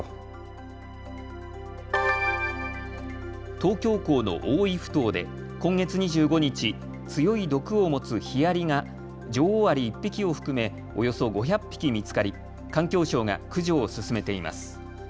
東京港の大井ふ頭で今月２５日、強い毒を持つヒアリが女王アリ１匹を含めおよそ５００匹見つかり環境省が駆除を進めています。